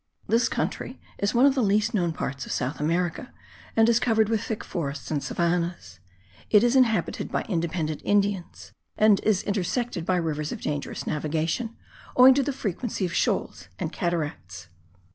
This country is one of the least known parts of South America and is covered with thick forests and savannahs; it is inhabited by independent Indians and is intersected by rivers of dangerous navigation, owing to the frequency of shoals and cataracts.